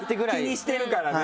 気にしてるからね。